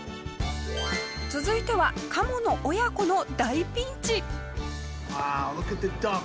続いてはカモの親子の大ピンチ。